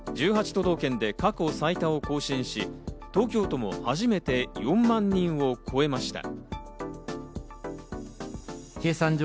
１８都道府県で過去最多を更新し、東京都も初めて４万人を超えました。